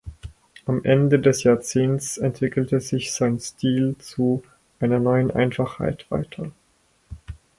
Am Ende des Jahrzehnts entwickelte sich sein Stil zu einer „neuen Einfachheit“ weiter.